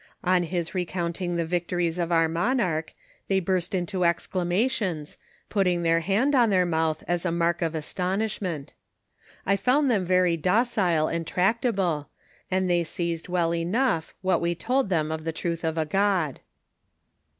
On his recounting the vic tories of our monarch, they burst into exclamations, putting their hand on their mouth as a mark of astonishment. I found them very docile and tractable, and they seized well enough what we told them of the truth of a God.